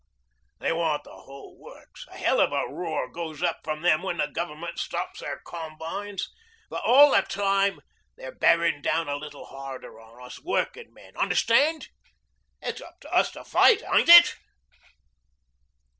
They want the whole works. A hell of a roar goes up from them when the Government stops their combines, but all the time they're bearing down a little harder on us workingmen. Understand? It's up to us to fight, ain't it?"